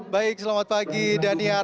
baik selamat pagi daniar